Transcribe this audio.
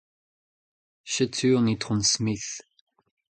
Setu an It. Smith.